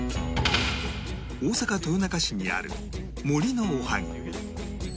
大阪豊中市にある森のおはぎ